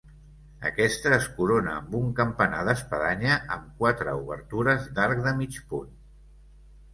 Aquesta es corona amb un campanar d'espadanya amb quatre obertures d'arc de mig punt.